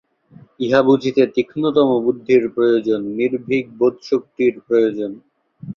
ইহা বুঝিতে তীক্ষ্ণতম বুদ্ধির প্রয়োজন, নির্ভীক বোধশক্তির প্রয়োজন।